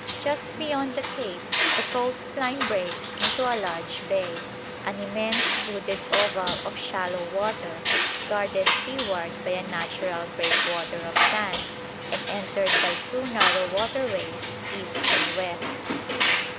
Just beyond the cape the coastline breaks into a large bay, an immense wooded oval of shallow water, guarded seaward by a natural breakwater of sand and entered by two narrow waterways, east and west.